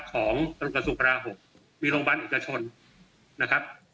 ของกระทรวงกรา๖มีโรงพยาบาลเอกชนนะครับ